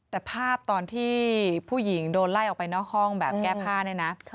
แต่ภาพตอนที่ผู้หญิงโดนไล่ออกไปนอกห้องแบบแก้ผ้าเนี่ยนะ